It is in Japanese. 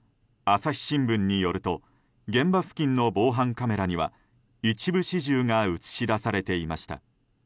朝日新聞によると現場付近の防犯カメラには一部始終が映し出されていました。